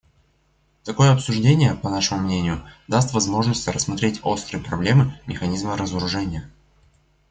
Такое обсуждение, по нашему мнению, даст возможность рассмотреть острые проблемы механизма разоружения.